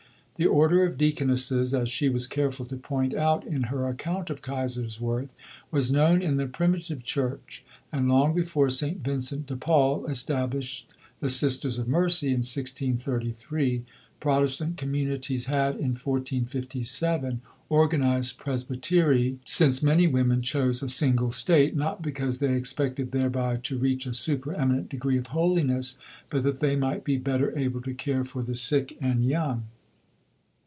The order of deaconesses, as she was careful to point out in her account of Kaiserswerth, was known in the Primitive Church; and long before St. Vincent de Paul established the Sisters of Mercy in 1633, Protestant communities had in 1457 organized "Presbyterae," since "many women chose a single state, not because they expected thereby to reach a super eminent degree of holiness, but that they might be better able to care for the sick and young."